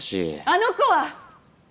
あの子は！